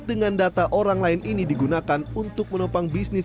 dengan data orang lain ini digunakan untuk menopang bisnis